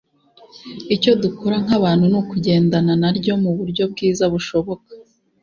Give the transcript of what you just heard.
icyo dukora nk’abantu ni kugendana naryo mu buryo bwiza bushoboka